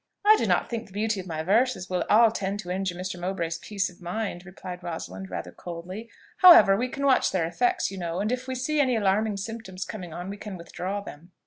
"I do not think the beauty of my verses will at all tend to injure Mr. Mowbray's peace of mind," replied Rosalind rather coldly. "However, we can watch their effects, you know, and if we see any alarming symptoms coming on we can withdraw them."